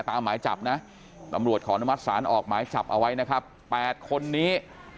หมายจับนะตำรวจขออนุมัติศาลออกหมายจับเอาไว้นะครับ๘คนนี้